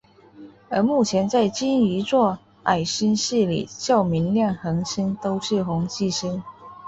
而目前在鲸鱼座矮星系里较明亮恒星都是红巨星。